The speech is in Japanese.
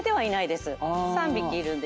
３匹いるんで。